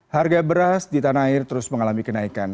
harga beras di tanah air terus mengalami kenaikan